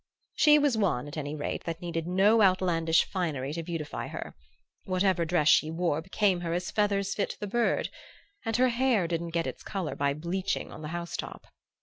She was one, at any rate, that needed no outlandish finery to beautify her; whatever dress she wore became her as feathers fit the bird; and her hair didn't get its color by bleaching on the housetop.